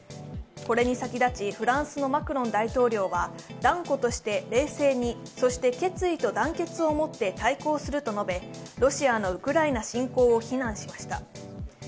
これに先立ちフランスのマクロン大統領は断固として冷静にそして決意と団結をもって対抗すると述べロシアのウクライナ侵攻を非難しました。